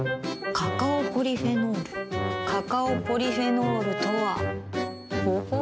カカオポリフェノールカカオポリフェノールとはほほう。